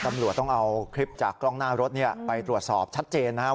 ตำรวจต้องเอาคลิปจากกล้องหน้ารถไปตรวจสอบชัดเจนนะครับ